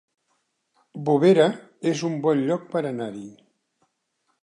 Bovera es un bon lloc per anar-hi